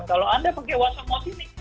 kalau anda pakai whatsapp what ini